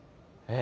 え？